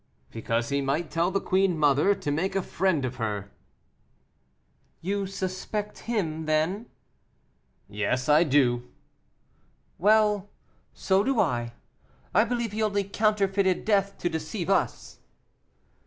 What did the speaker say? "Because he might tell the queen mother, to make a friend of her." "You suspect him, then?" "Yes, I do." "Well, so do I; I believe he only counterfeited death to deceive us."